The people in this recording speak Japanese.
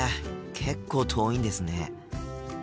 結構遠いんですね。